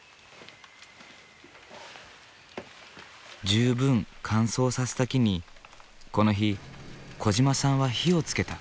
十分乾燥させた木にこの日小嶋さんは火をつけた。